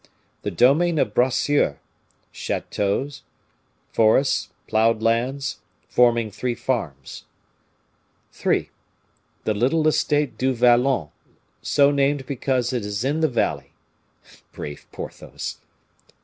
The domain of Bracieux, chateaux, forests, plowed lands, forming three farms. "3. The little estate Du Vallon, so named because it is in the valley." (Brave Porthos!)